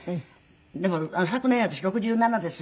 でも昨年「私６７です」